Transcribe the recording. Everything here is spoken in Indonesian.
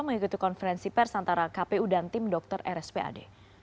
mengikuti konferensi pers antara kpu dan tim dokter rspad